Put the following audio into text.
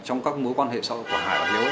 trong các mối quan hệ sau của hải và hiếu